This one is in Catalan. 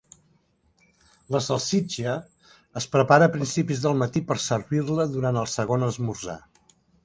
La salsitxa es prepara a principis del matí per servir-la durant el segon esmorzar.